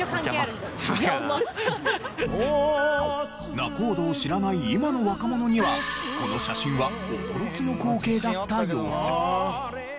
仲人を知らない今の若者にはこの写真は驚きの光景だった様子。